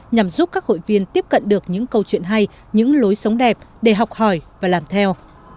nhằm giúp các hội viên tiếp cận được những câu chuyện hay những lối sống đẹp để học hỏi và làm theo